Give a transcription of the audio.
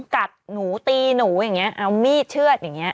กัดหนูตีหนูอย่างนี้เอามีดเชื่อดอย่างนี้